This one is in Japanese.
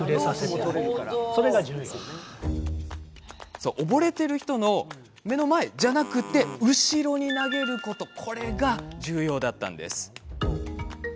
そう溺れている人の目の前ではなく後ろに投げることが大事だったんです。